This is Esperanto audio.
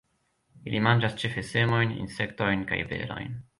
Ili manĝas ĉefe semojn, insektojn kaj berojn.